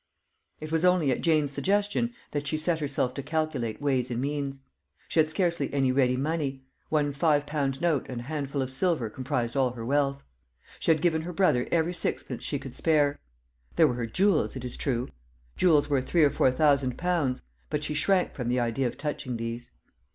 It was only at Jane's suggestion that she set herself to calculate ways and means. She had scarcely any ready money one five pound note and a handful of silver comprised all her wealth. She had given her brother every sixpence she could spare. There were her jewels, it is true; jewels worth three or four thousand pounds. But she shrank from the idea of touching these.